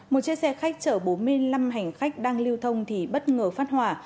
một chiếc xe khách chở bốn mươi năm hành khách đang lưu thông thì bất ngờ phát hỏa